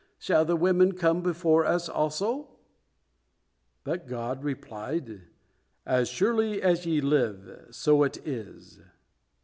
Shall the women come before us also?" But God replied, "As surely as ye live, so it is."